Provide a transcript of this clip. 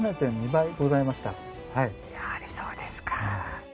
やはりそうですか。